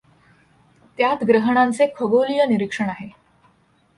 त्यात ग्रहणांचे खगोलीय निरीक्षण आहे.